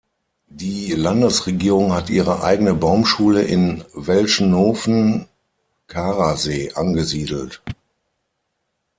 Die Landesregierung hat ihre eigene Baumschule in Welschnofen-Karersee angesiedelt.